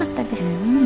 うん。